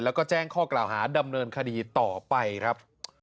แล้วก็แจ้งข้อกล่าวหาดำเนินคดีต่อไปครับ